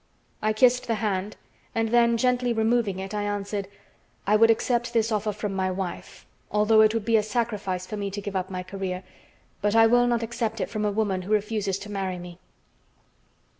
I kissed the hand and then, gently removing it, I answered: "I would accept this offer from my wife, although it would be a sacrifice for me to give up my career; but I will not accept it from a woman who refuses to marry me."